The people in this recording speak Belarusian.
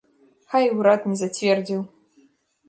Хай, урад не зацвердзіў!